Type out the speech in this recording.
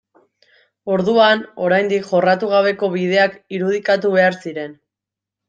Orduan, oraindik jorratu gabeko bideak irudikatu behar ziren.